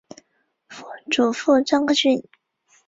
华盛顿联队是美国职业足球大联盟球队。